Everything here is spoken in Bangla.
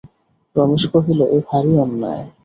রমেশ কহিল, এ ভারি অন্যায়।